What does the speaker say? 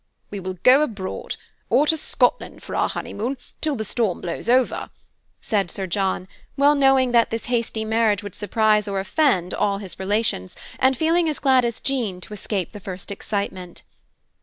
"We will go abroad or to Scotland for our honeymoon, till the storm blows over," said Sir John, well knowing that this hasty marriage would surprise or offend all his relations, and feeling as glad as Jean to escape the first excitement.